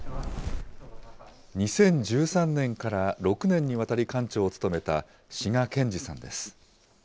２０１３年から６年にわたり館長を務めた志賀賢治さんです。